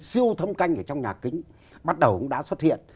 siêu thâm canh ở trong nhà kính bắt đầu cũng đã xuất hiện